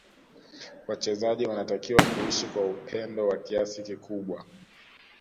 Wachezaji wanatakiwa kuishi kwa upendo wa kiasi kikubwa